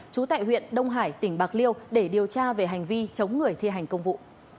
trú tại huyện đông hải tỉnh bạc liêu để điều tra về hành vi chống người thi hành công vụ